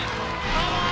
パワー